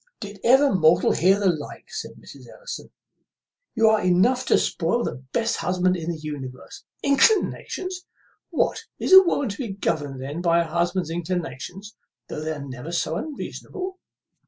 "Did ever mortal hear the like?" said Mrs. Ellison; "you are enough to spoil the best husband in the universe. Inclinations! what, is a woman to be governed then by her husband's inclinations, though they are never so unreasonable?"